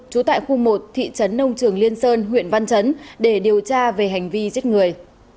trú tại khu một thị trấn nông trường liên sơn huyện văn chấn để điều tra về hành vi giết người